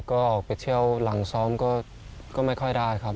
ก็ออกไปเที่ยวหลังซ้อมก็ไม่ค่อยได้ครับ